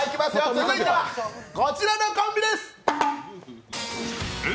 続いてはこちらのコンビです